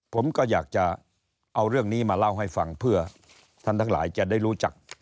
ผมก็อยากจะเอาเรื่องนี้มาเล่าให้ฟังเพื่อท่านทั้งหลายจะได้รู้จัก